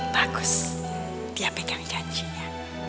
bagus dia pegang janjinya